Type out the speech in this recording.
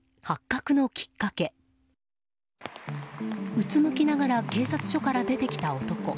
うつむきながら警察署から出てきた男。